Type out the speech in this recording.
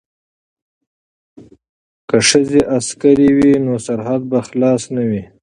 که ښځې عسکرې وي نو سرحد به خلاص نه وي.